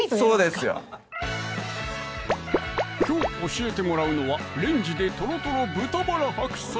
きょう教えてもらうのは「レンジでとろとろ豚バラ白菜」